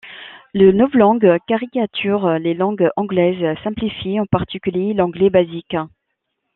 Le novlangue caricature les langues anglaises simplifiées, en particulier l'anglais basic.